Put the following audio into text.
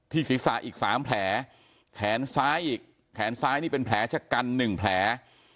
ศีรษะอีก๓แผลแขนซ้ายอีกแขนซ้ายนี่เป็นแผลชะกัน๑แผล